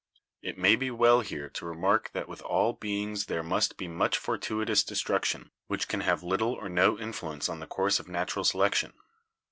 "It may be well here to remark that with all beings there must be much fortuitous destruction, which can have little or no influence on the course of natural selec tion.